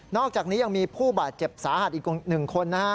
อกจากนี้ยังมีผู้บาดเจ็บสาหัสอีก๑คนนะฮะ